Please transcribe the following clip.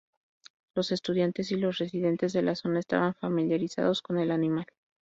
Los estudiantes y los residentes de la zona estaban familiarizados con el animal.